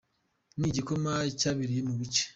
Ni igikorwa cyabereye mu bice.